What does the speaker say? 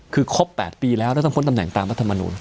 คือครบ๘ปีแล้วแล้วต้องพ้นตำแหน่งตามรัฐมนุน